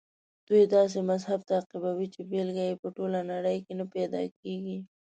دوی داسې مذهب تعقیبوي چې بېلګه یې په ټوله نړۍ کې نه پیدا کېږي.